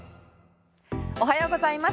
おはようございます。